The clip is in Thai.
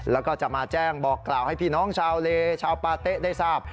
แล้วก็จะมาแจ้งบอกกล่าวให้พี่น้องชาวเลชาวปาเต๊ะได้ทราบ